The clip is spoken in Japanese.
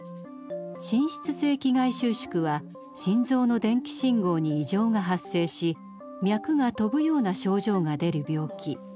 心室性期外収縮は心臓の電気信号に異常が発生し脈が飛ぶような症状が出る病気。